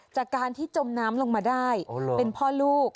จากการที่จมน้ำลงมาได้เป็นพ่อลูก